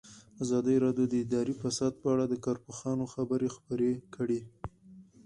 ازادي راډیو د اداري فساد په اړه د کارپوهانو خبرې خپرې کړي.